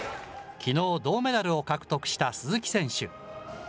きのう、銅メダルを獲得した鈴木選手。